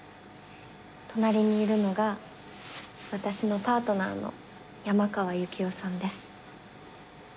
隣にいるのが私のパートナーの山川ユキオさんです。